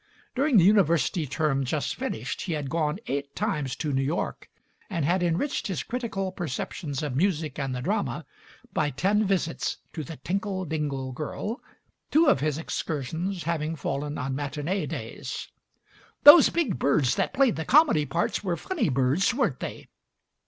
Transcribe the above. During the university term just finished he had gone eight times to New York, and had enriched his critical perceptions of music and the drama by ten visits to The Tinkle Dingle Girl, two of his excursions having fallen on matinee days. "Those big birds that played the comedy parts were funny birds, weren't they?"